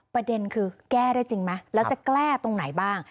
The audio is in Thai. ประเด็นคือแก้ได้จริงไหมแล้วจะแก้ตรงไหนบ้าง